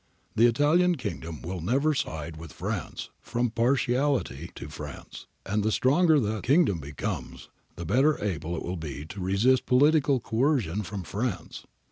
The Italian Kingdom will never side with France from partiality to France, and the stronger that Kingdom becomes the better able it will be to resist political coercion from France.